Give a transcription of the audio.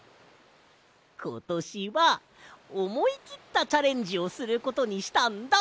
ことしはおもいきったチャレンジをすることにしたんだ！